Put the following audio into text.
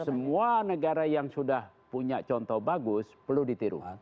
semua negara yang sudah punya contoh bagus perlu ditiru